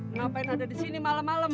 ngapain ada di sini malam malam